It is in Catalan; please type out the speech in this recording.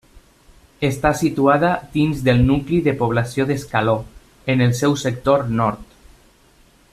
Està situada dins del nucli de població d'Escaló, en el seu sector nord.